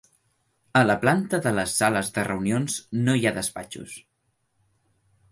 A la planta de les sales de reunions no hi ha despatxos.